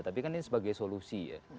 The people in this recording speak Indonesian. tapi kan ini sebagai solusi ya